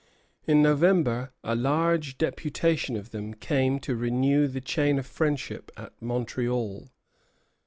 In November a large deputation of them came to renew the chain of friendship at Montreal.